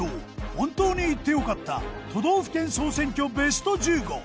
本当に行って良かった都道府県総選挙ＢＥＳＴ１５。